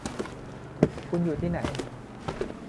คุณอยู่ที่ไหน ?